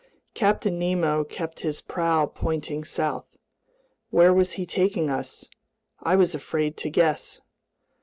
Captain Nemo kept his prow pointing south. Where was he taking us? I was afraid to guess.